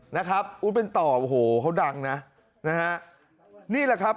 นะครับอู๊ดเป็นต่อโอ้โหเขาดังนะนะฮะนี่แหละครับ